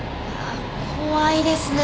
怖いですね。